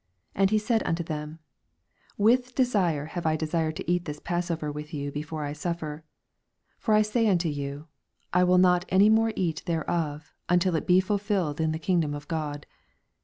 15 And he said unto them, With desire I have desired to eat this Pass over with you before I suflfer. 16 For I say unto you, I will not any more eat thereof, until it be ful filled in the kingdom of God.